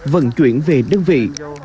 vận chuyển về đơn vị